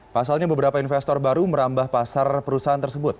pasalnya beberapa investor baru merambah pasar perusahaan tersebut